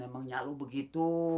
emang nyak lu begitu